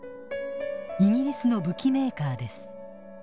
イギリスの武器メーカーです。